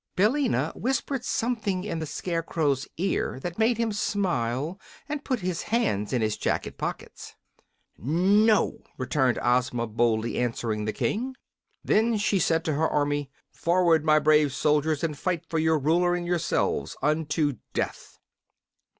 Billina whispered something in the Scarecrow's ear that made him smile and put his hands in his jacket pockets. "No!" returned Ozma, boldly answering the King. Then she said to her army: "Forward, my brave soldiers, and fight for your Ruler and yourselves, unto death!"